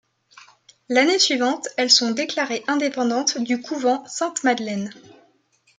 L’année suivante, elles sont déclarées indépendantes du couvent Sainte-Madeleine.